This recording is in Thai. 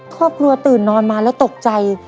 ครอบครัวตื่นนอนมาแล้วตกใจ